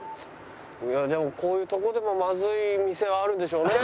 でもこういうとこでもまずい店はあるでしょうね。